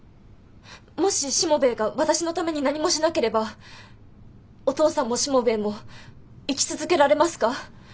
もししもべえが私のために何もしなければお父さんもしもべえも生き続けられますか？